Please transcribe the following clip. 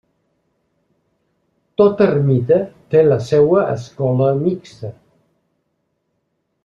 Tota ermita té la seua escola mixta.